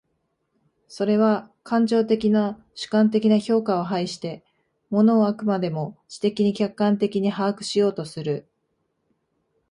それは感情的な主観的な評価を排して、物を飽くまでも知的に客観的に把握しようとする。